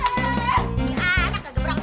maksudnya emaknya udah berangkat